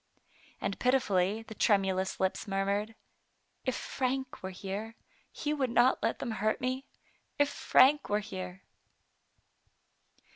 And pitifully the tremulous lips murmured, " If Frank were here, he would not let them hurt me ; if Frank were here!"